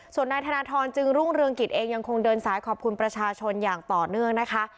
ส่วนนายธนทรจึงรุ่งเรืองกิจเองยังคงเดินสายขอบคุณประชาชนอย่างต่อเนื่องนะคะ